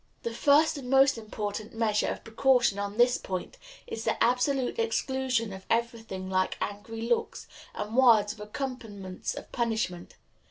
The first and most important measure of precaution on this point is the absolute exclusion of every thing like angry looks and words as accompaniments of punishment.